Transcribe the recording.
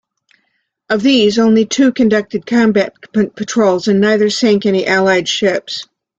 Of these, only two conducted combat patrols and neither sank any Allied ships.